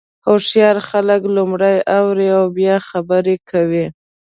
هوښیار خلک لومړی اوري او بیا خبرې کوي.